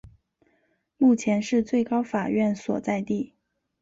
目前是最高法院所在地。